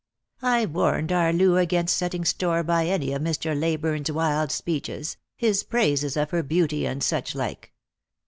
" I warned our Loo against setting store by any of Mr. Ley burne's wild speeches, his praises of her beauty, and suchlike.